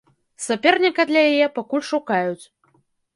Саперніка для яе пакуль шукаюць.